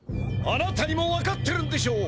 あなたにも分かってるんでしょう？